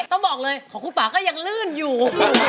ต้องบอกเลยของคุณป่าก็ยังลื่นอยู่